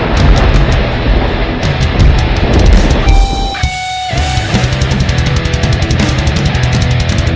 สวัสดีครับทุกคน